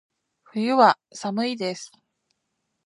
冬は、寒いです。